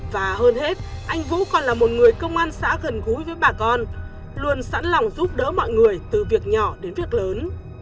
và hơn hết anh vũ còn là một người công an xã gần gũi với bà con luôn sẵn lòng giúp đỡ mọi người từ việc nhỏ đến việc lớn